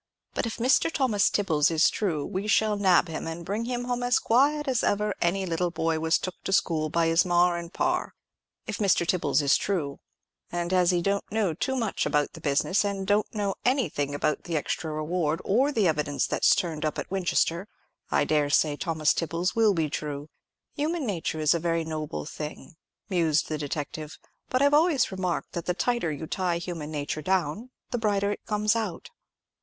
But if Mr. Thomas Tibbles is true, we shall nab him, and bring him home as quiet as ever any little boy was took to school by his mar and par. If Mr. Tibbles is true,—and as he don't know too much about the business, and don't know anything about the extra reward, or the evidence that's turned up at Winchester,—I dare say Thomas Tibbles will be true. Human nature is a very noble thing," mused the detective; "but I've always remarked that the tighter you tie human nature down, the brighter it comes out."